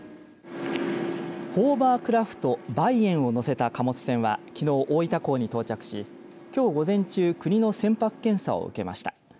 ホーバークラフトＢａｉｅｎを載せた貨物船はきのう、大分港に到着しきょう午前中国の船舶検査を受けました。